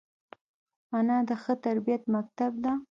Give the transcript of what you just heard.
انا د ښه تربیت مکتب ده